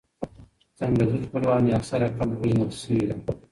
ځنګلي خپلوان یې اکثراً کم پېژندل شوي دي.